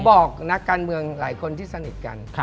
บอกนักการเมืองหลายคนที่สนิทกัน